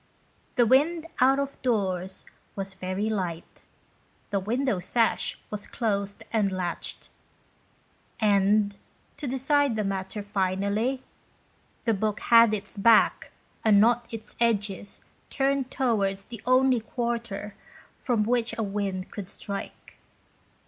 The wind out of doors was very light. The window sash was closed and latched, and, to decide the matter finally, the book had its back, and not its edges, turned towards the only quarter from which a wind could strike.